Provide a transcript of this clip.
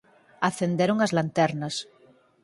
Acenderon as lanternas.